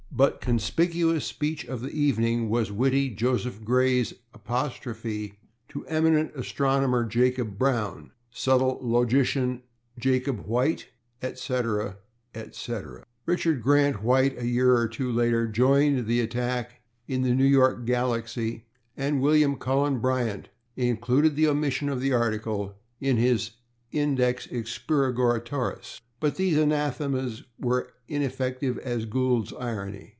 But conspicuous speech of the evening was witty Joseph Gray's apostrophe to eminent astronomer Jacob Brown, subtle logician Jacob White, etc., etc. Richard Grant White, a year or two later, joined the attack in the New York /Galaxy/, and William Cullen Bryant included the omission of the article in his /Index Expurgatorius/, but these anathemas were as ineffective as Gould's irony.